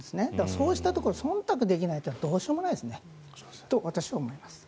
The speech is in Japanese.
そうしたところをそんたくできないのはどうしようもないと私は思います。